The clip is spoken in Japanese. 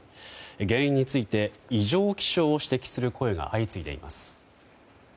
原因について異常気象を指摘する声が相次いでいます。